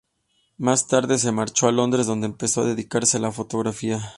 Más tarde se marchó a Londres, donde empezó a dedicarse a la fotografía.